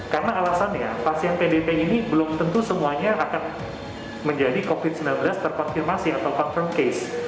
karena alasannya pasien pdp ini belum tentu semuanya akan menjadi covid sembilan belas terkonfirmasi atau confirmed case